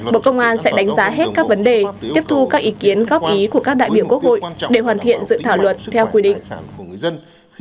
bộ công an sẽ đánh giá hết các vấn đề tiếp thu các ý kiến góp ý của các đại biểu quốc hội để hoàn thiện dự thảo luật theo quy định